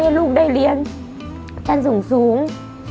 ให้ลูกได้เรียนเป็นสูง